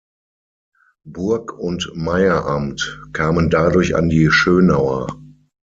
Burg und Meieramt kamen dadurch an die Schönauer.